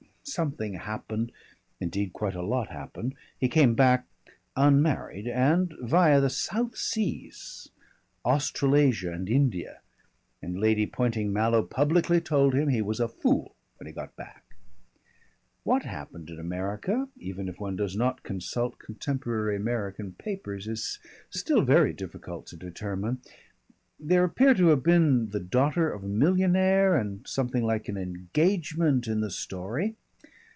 Something happened, indeed, quite a lot happened. He came back unmarried and viâ the South Seas, Australasia and India. And Lady Poynting Mallow publicly told him he was a fool, when he got back. What happened in America, even if one does not consult contemporary American papers, is still very difficult to determine. There appear to have been the daughter of a millionaire and something like an engagement in the story.